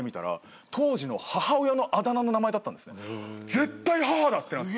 絶対母だ！ってなって。